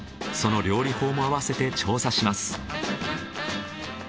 その料理法もあわせて調査します。